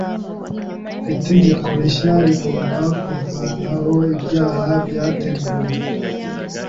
Itegeko rishya rigomba kuvanaho ibyaha byateguwe.